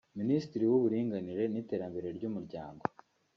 Minisiteri w’Uburinganire n’Iterambere ry’Umuryango